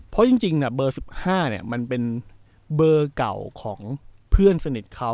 เพราะจริงจริงน่ะเบอร์สิบห้าเนี้ยมันเป็นเบอร์เก่าของเพื่อนสนิทเขา